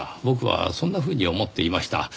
僕はそんなふうに思っていました。